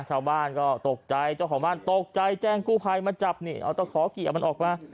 ชาวบ้านก็ตกใจเจ้าของบ้านตกใจแจ้งกู้ภัยมาจับนี่เอาตะขอเกี่ยวมันออกมา